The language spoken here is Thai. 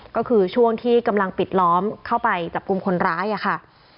ก็คือช่วงที่กำลังปิดล้อมเข้าไปจับกลุ่มคนร้ายค่ะ